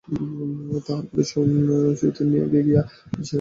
তাহার পরে শুইতে না গিয়া আশাকে নিজের ঘরে লইয়া গেলেন।